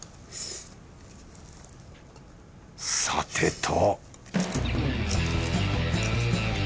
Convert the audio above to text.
さてと